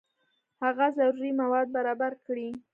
هغه ضروري مواد برابر کړي.